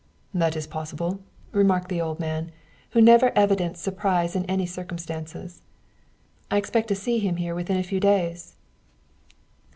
"That is possible," remarked the old man, who never evinced surprise in any circumstances. "I expect to see him here within a few days."